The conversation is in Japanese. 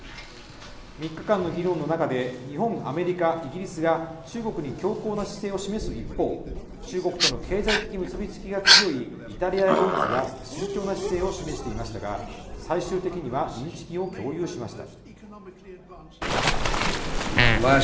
３日間の議論の中で日本、アメリカ、イギリスが中国に強硬な姿勢を示す一方、中国との経済的結びつきが強いイタリアやドイツが慎重な姿勢を示していましたが、最終的には認識を共有しました。